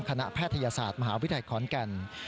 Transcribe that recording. คณะแพทยศาสตร์มหาวิทยาครณ์กัน